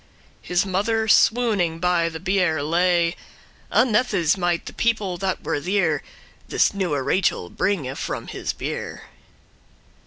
His mother swooning by the biere lay; Unnethes* might the people that were there *scarcely This newe Rachel bringe from his bier.